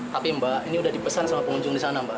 tapi mbak ini udah dipesan sama pengunjung di sana mbak